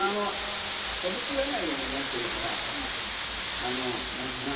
飛び散らないようになってるから。